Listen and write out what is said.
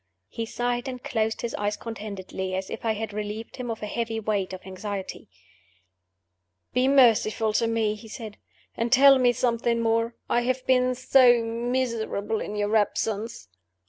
He sighed, and closed his eyes contentedly, as if I had relieved him of a heavy weight of anxiety. "Be merciful to me," he said, "and tell me something more. I have been so miserable in your absence."